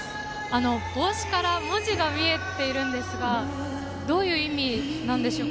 帽子から文字が見えているんですがどういう意味でしょう？